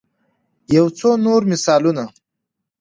يو څو نور مثالونه